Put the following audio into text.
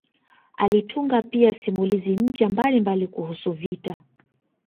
Alitunga pia simulizi mpya mbalimbali kuhusu vita